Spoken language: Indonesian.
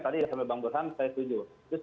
tadi saya banggulkan saya setuju